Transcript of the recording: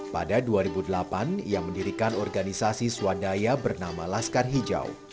pada dua ribu delapan ia mendirikan organisasi swadaya bernama laskar hijau